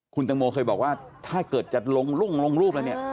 คุณตังโมเคยบอกว่าถ้าเกิดจะลงรุ่งลงรูปอะไรเนี่ย